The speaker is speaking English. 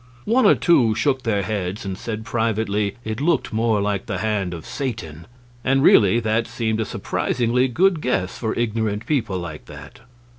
One or two shook their heads and said privately it looked more like the hand of Satan; and really that seemed a surprisingly good guess for ignorant people like that.